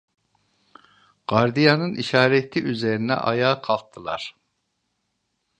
Gardiyanın işareti üzerine ayağa kalktılar.